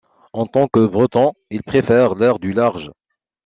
En tant que Breton, il préfère l'air du large.